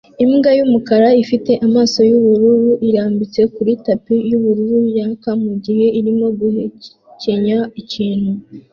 Imbwa yumukara ifite amaso yubururu irambitse kuri tapi yubururu yaka mugihe arimo guhekenya ikintu